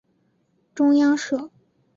中央社